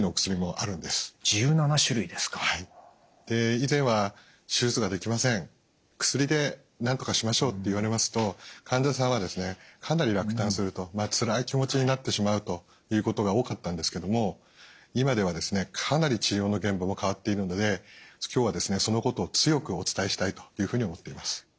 以前は「手術ができません薬でなんとかしましょう」って言われますと患者さんはですねかなり落胆するとつらい気持ちになってしまうということが多かったんですけども今ではですねかなり治療の現場も変わっているので今日はそのことを強くお伝えしたいというふうに思っています。